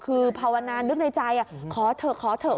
คือภาวนานนึกในใจขอเถอะขอเถอะขอเถอะ